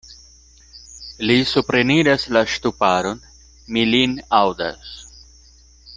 Li supreniras la ŝtuparon: mi lin aŭdas.